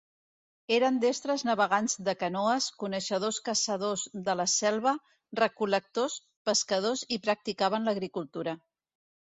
Eren destres navegants de canoes, coneixedors caçadors de la selva, recol·lectors, pescadors i practicaven l'agricultura.